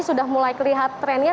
sudah mulai terlihat trendnya